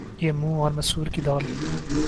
یہ منھ اور مسور کی دال